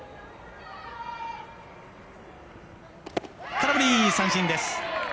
空振り三振です！